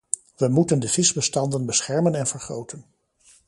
We moeten de visbestanden beschermen en vergroten.